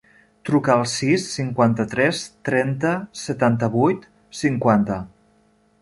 Truca al sis, cinquanta-tres, trenta, setanta-vuit, cinquanta.